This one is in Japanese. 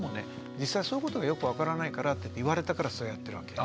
実際そういうことがよく分からないからって言われたからそうやってるわけです。